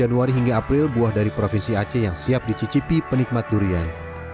januari hingga april buah dari provinsi aceh yang siap dicicipi penikmat durian